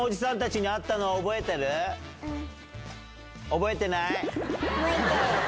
覚えてない？